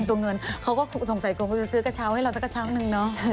ตัวเงินเขาก็สงสัยกลัวเขาจะซื้อกระเช้าให้เราสักกระเช้านึงเนาะ